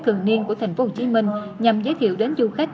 thường niên của tp hcm nhằm giới thiệu đến du khách